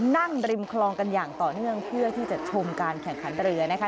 ริมคลองกันอย่างต่อเนื่องเพื่อที่จะชมการแข่งขันเรือนะคะ